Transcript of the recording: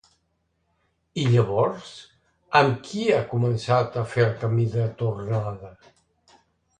I llavors, amb qui ha començat a fer el camí de tornada?